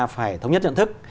phải thống nhất nhận thức